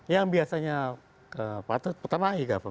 yang biasanya patut pertama